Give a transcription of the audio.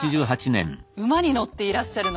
こちら馬に乗っていらっしゃるのが。